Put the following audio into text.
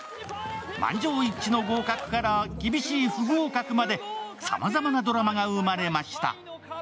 満場一致の合格から厳しい不合格まで、さまざまなドラマが生まれました。